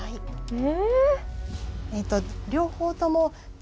え？